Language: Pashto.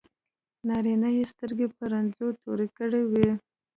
نارینه یې سترګې په رنجو تورې کړې وي.